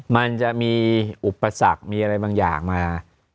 มันจะมีอุปสรรคมีอะไรบางอย่างมา